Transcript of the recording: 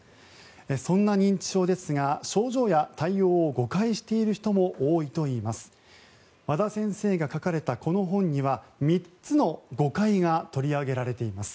そんな認知症ですが症状や対応を誤解している人も多いといいます。